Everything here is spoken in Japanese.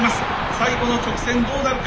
最後の直線どうなるか。